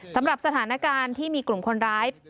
สำหรับสถานการณ์ที่มีกลุ่มคนร้าย